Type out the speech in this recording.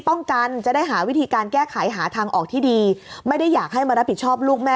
จะได้หาวิธีการแก้ไขหาทางออกที่ดีไม่ได้อยากให้มารับผิดชอบลูกแม่